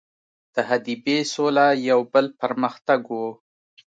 د حدیبې سوله یو بل پر مختګ وو.